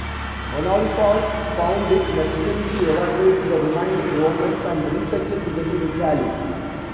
Onoulphus found it necessary to evacuate the remaining Romans and resettled them in Italy.